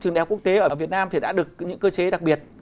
trường đại học quốc tế ở việt nam thì đã được những cơ chế đặc biệt